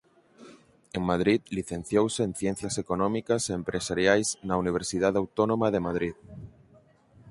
En Madrid licenciouse en Ciencias Económicas e Empresariais na Universidade Autónoma de Madrid.